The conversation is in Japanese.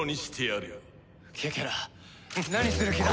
ケケラ何する気だ？